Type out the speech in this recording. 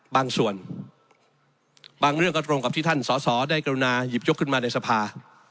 บางส่วนบางเรื่องก็ตรงกับที่ท่านสอสอได้กรุณาหยิบยกขึ้นมาในสภา